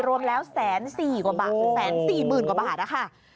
รวมแล้วแสนสี่กว่าบาทแสนสี่หมื่นกว่าบาทล่ะค่ะ